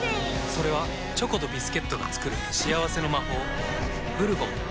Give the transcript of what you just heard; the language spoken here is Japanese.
それはチョコとビスケットが作る幸せの魔法キャンペーン中